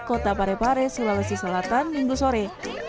kota pare pare sulawesi selatan minggu sore